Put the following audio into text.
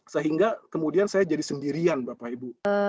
sehingga kemudian saya jadi sendirian bapak ibu